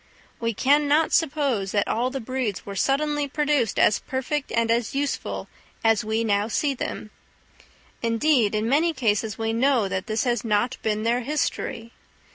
We can not suppose that all the breeds were suddenly produced as perfect and as useful as we now see them; indeed, in many cases, we know that this has not been their history.